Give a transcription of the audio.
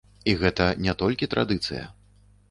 І гэта не толькі традыцыя.